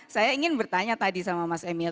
saya ingin bertanya tadi sama mas emil